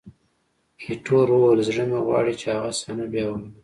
ایټور وویل: زړه مې غواړي چې هغه صحنه بیا ووینم.